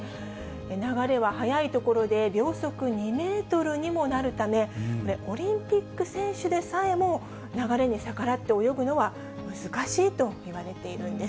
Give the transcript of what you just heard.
流れは速い所で秒速２メートルにもなるため、これ、オリンピック選手でさえも流れに逆らって泳ぐのは難しいといわれているんです。